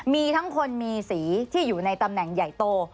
มีทั้งคนมีสีที่อยู่ในตำแหน่งใหญ่โต